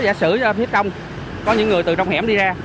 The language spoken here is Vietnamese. giả sử phía trong có những người từ trong hẻm đi ra